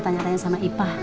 tanya tanya sama ipah